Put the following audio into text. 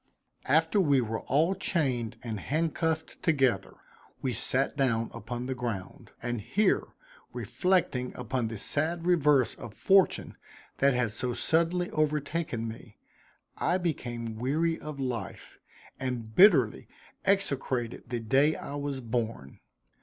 After we were all chained and handcuffed together, we sat down upon the ground; and here reflecting upon the sad reverse of fortune that had so suddenly overtaken me, I became weary of life, and bitterly execrated the day I was born.